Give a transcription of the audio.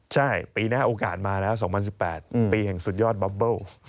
ใช่ปีหน้าโอกาสมาแล้ว๒๐๑๘ปีแห่งสุดยอดบอบเบิ้ล